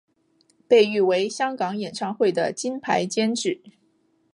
被誉为香港演唱会的金牌监制。